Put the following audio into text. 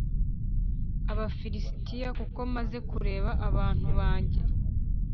y Abafilisitiya kuko maze kureba abantu banjye